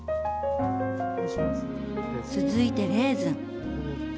続いてレーズン。